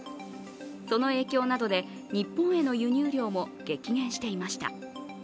その影響などで日本への輸入量も激減していました。